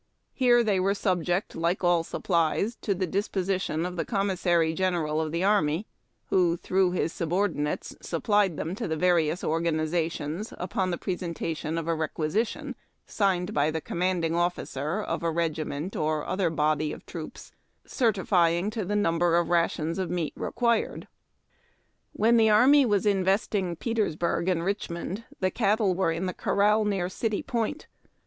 Here they were subject, like all sup plies, to the disposition of the commissary general of the army, who, through his subordinates, supplied them to the various organizations upon the presentation of a requisition, signed by the commanding officer of a regiment or other body of troops, certifying to the number of rations of meat required. When the army was investing Petersburg and Richmond, the cattle were in corral near City Point.